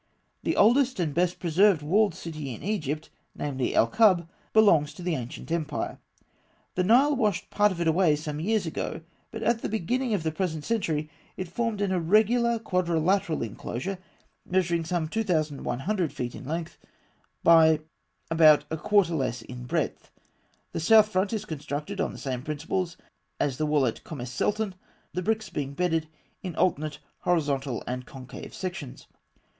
The oldest and best preserved walled city in Egypt, namely, El Kab, belongs probably to the ancient empire (fig. 32). The Nile washed part of it away some years ago; but at the beginning of the present century it formed an irregular quadrilateral enclosure, measuring some 2,100 feet in length, by about a quarter less in breadth. The south front is constructed on the same principles as the wall at Kom es Sultan, the bricks being bedded in alternate horizontal and concave sections.